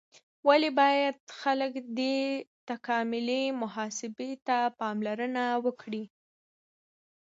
ولې باید خلک دې تکاملي محاسبې ته پاملرنه وکړي؟